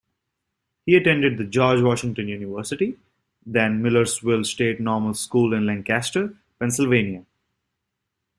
He attended the George Washington University, then Millersville State Normal School in Lancaster, Pennsylvania.